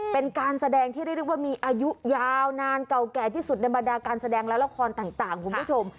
เป็นการแสดงที่เรียกว่ามีอายุยาวนานเก่าแก่ที่สุดในบรรดาการแสดงและละครต่างคุณผู้ชม